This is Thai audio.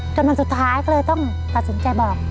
จนวันสุดท้ายก็เลยต้องตัดสินใจบอก